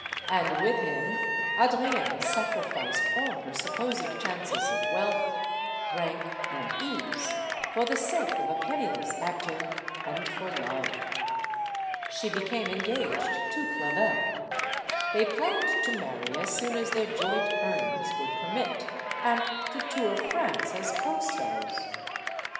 And with him Adrienne sacrificed all her sup posed chances of wealth, rank, and ease; for the sake of a penniless actor, and for love. She became engaged to Clavel. They planned to marry as soon as their joint earnings would permit, and to tour France as co stars.